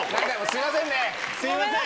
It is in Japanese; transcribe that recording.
すいません。